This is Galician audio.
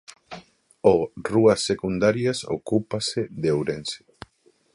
O 'Rúas secundarias' ocúpase de Ourense.